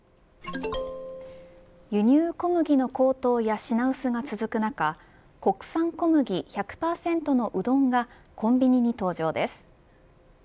輸入小麦の高騰や品薄が続く中国産小麦１００％のうどんがコンビニに登場です。